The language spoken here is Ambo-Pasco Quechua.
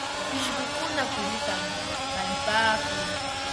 Pishqukuna kurutam palipaakun.